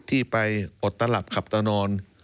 ที่ไปอดตระหลับขันตะนอน